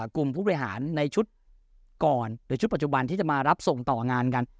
กลุ่มผู้บริหารในชุดก่อนหรือชุดปัจจุบันที่จะมารับส่งต่องานกัน